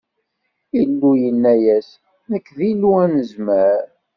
Illu yenna-yas: Nekk, d Illu Anezmar!